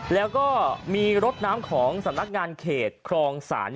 แล้วก็มีรถน้ำของสำนักงานเขตครองศาล